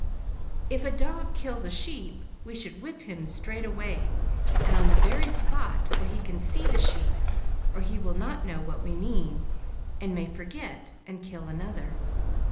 If a dog kills a sheep we should whip him straight away, and on the very spot where he can see the sheep, or he will not know what we mean, and may forget and kill another.